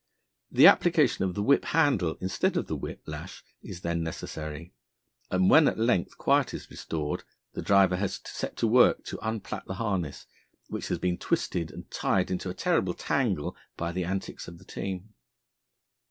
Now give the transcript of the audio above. The application of the whip handle instead of the whip lash is then necessary, and when at length quiet is restored, the driver has to set to work to unplait the harness, which has been twisted and tied into a terrible tangle by the antics of the team.